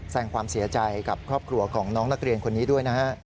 แสดงความเสียใจกับครอบครัวของน้องนักเรียนคนนี้ด้วยนะฮะ